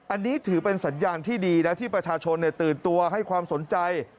อันนี้ถือเป็นสัญญาณที่ดีนะที่ประชาชนตื่นตัวให้ความสนใจ